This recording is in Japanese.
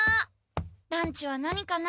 ランチは何かな？